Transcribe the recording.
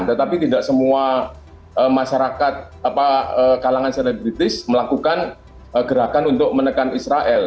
tetapi tidak semua masyarakat kalangan selebritis melakukan gerakan untuk menekan israel